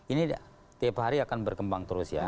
ini tiap hari akan berkembang terus ya